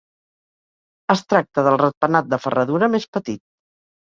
Es tracta del ratpenat de ferradura més petit.